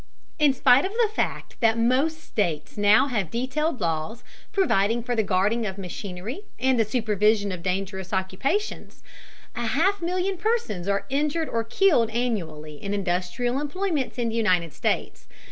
In spite of the fact that most States now have detailed laws providing for the guarding of machinery and the supervision of dangerous occupations, a half million persons are injured or killed annually in industrial employments in the United States.